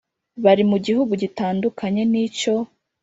bari mu gihugu gitandukanye n icyo